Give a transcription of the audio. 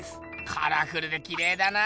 カラフルできれいだな。